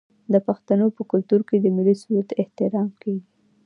د پښتنو په کلتور کې د ملي سرود احترام کیږي.